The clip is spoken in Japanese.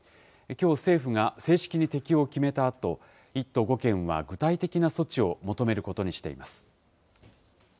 きょう政府が正式に適用を決めたあと、１都５県は具体的な措置を求めることにしています。